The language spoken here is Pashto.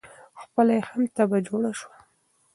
خپله یې هم تبعه جوړه شوه.